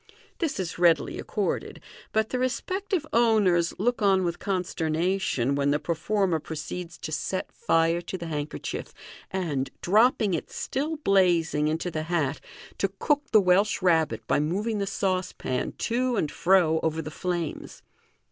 This is readily accorded, out the respective owners look on with consternation when the performer proceeds to set fire to the handkerchief, and, dropping it still blazing into the hat, to cook the Welsh Rabbit by moving the saucepan to and fro over the flames.